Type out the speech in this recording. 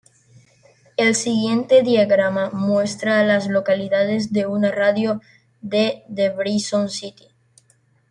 El siguiente diagrama muestra a las localidades en un radio de de Bryson City.